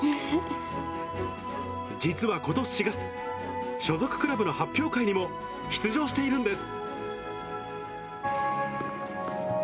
実はことし４月、所属クラブの発表会にも出場しているんです。